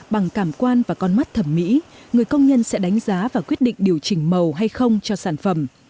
bằng cảm quan và con mắt thẩm mỹ người công nhân sẽ đánh giá và quyết định điều chỉnh màu hay không cho sản phẩm